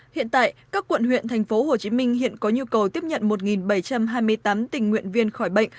hiện tại các quận huyện tp hcm hiện có nhu cầu tiếp nhận một bảy trăm hai mươi tám tình nguyện viên khỏi bệnh